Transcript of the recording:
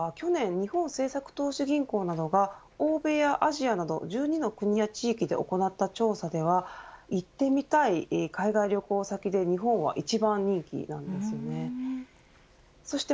実は去年日本政策投資銀行などが欧米やアジアなど１２の国や地域で行った調査では、行ってみたい海外旅行先で日本は一番人気でした。